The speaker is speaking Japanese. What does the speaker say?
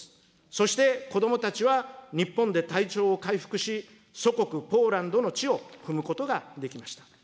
そして子どもたちは日本で体調を回復し、祖国、ポーランドの地を踏むことができました。